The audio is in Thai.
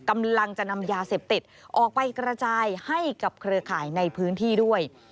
กำลังจะนำยาเสพติดออกไปกระจายให้กับเครือข่ายในพื้นที่ด้วย